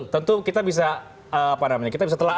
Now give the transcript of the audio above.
tentu kita bisa